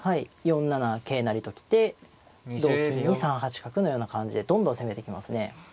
４七桂成と来て同金に３八角のような感じでどんどん攻めてきますね。